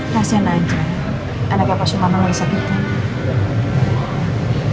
kasian aja anaknya pak sumaro lagi sakit kan